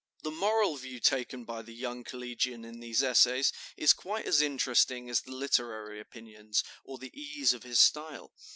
The moral view taken by the young collegian in these essays is quite as interesting as the literary opinions, or the ease of his style.